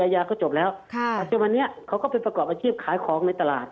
มาจากนี้เขาก็เป็นประกอบมาคเกียรติภายของในตลาด